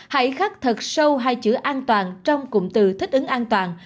hãy khắc thật sâu hai chữ an toàn trong cụm từ thích ứng an toàn